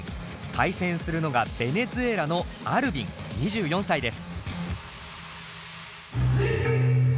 対戦するのがベネズエラのＡｌｖｉｎ２４歳です。